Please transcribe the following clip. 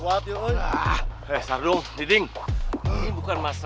alet abah gue mana